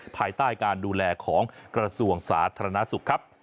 ภายใต้การดูแลของกระทรวงสาธารณสุขครับ